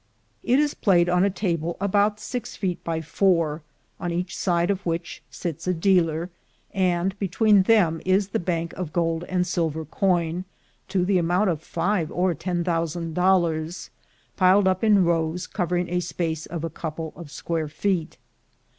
It is played on a table about six feet by four, on each side of which sits a dealer, and between them is the bank of gold and silver coin, to the amount of five or ten thousand dollars, piled up in rows covering a space of a couple of square feet.